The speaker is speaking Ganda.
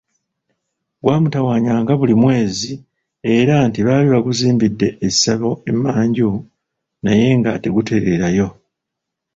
Gwamutawaanyanga buli mwezi era nti baali baguzimbidde essabo e manju naye nga tegutereerayo.